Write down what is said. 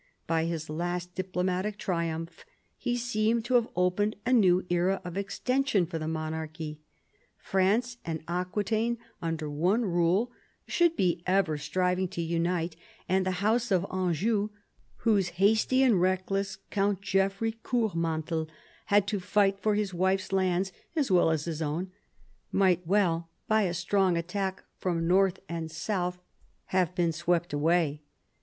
By his last diplomatic triumph he seemed to have opened a new era of extension for the monarchy. France and Aquitaine under one rule should be ever striving to unite ; and the house of Anjou, whose hasty and reckless Count Geoffrey Court mantel had to fight for his wife's lands as well as his own, might well by a strong attack from north and south 6 PHILIP AUGUSTUS chap. have been swept away.